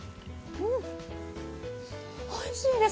うん、おいしいです。